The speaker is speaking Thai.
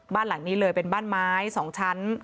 บ้านหลังนี้เลยเป็นบ้านไม้๒ชั้น